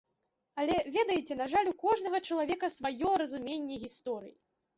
Але, ведаеце, на жаль, у кожнага чалавека сваё разуменне гісторыі.